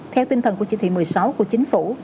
theo tinh thần của chỉ thị một mươi sáu của chính phủ